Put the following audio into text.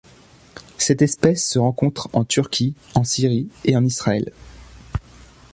Cette espèce se rencontre en Turquie, en Syrie et en Israël.